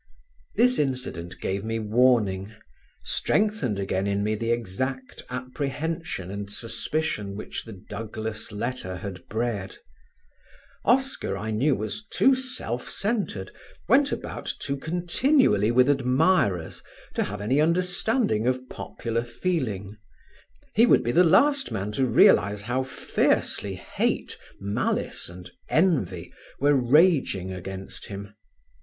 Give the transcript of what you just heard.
This incident gave me warning, strengthened again in me the exact apprehension and suspicion which the Douglas letter had bred. Oscar I knew was too self centred, went about too continually with admirers to have any understanding of popular feeling. He would be the last man to realize how fiercely hate, malice and envy were raging against him.